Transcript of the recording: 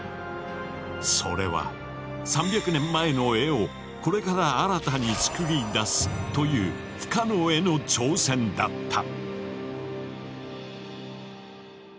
それは「３００年前の絵をこれから新たに創り出す」という不可能への挑戦だった。